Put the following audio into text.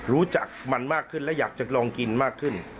รู้จักมันมากขึ้นและอยากจะลองกินมากขึ้น